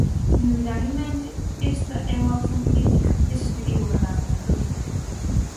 Indubidablemente, esta é unha opción política, deses que din gobernar para todos.